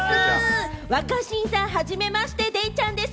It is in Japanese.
若新さん、はじめまして、デイちゃんです！